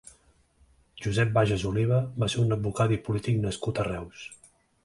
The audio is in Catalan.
Josep Bages Oliva va ser un advocat i polític nascut a Reus.